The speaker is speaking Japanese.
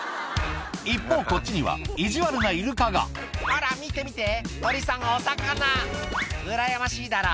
一方こっちには意地悪なイルカが「ほら見て見て鳥さんお魚」「うらやましいだろ？